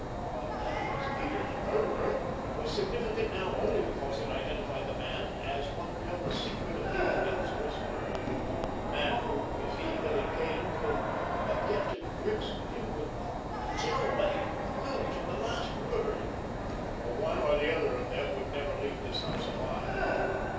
But that it was Peters' murderer was significant now only because it identified the man as one who held the secret of David Ellsworth's murder; the man who, if he, Billy Kane, could but get to grips with him, would tell what he knew to the last word, or one or the other of them would never leave this house alive.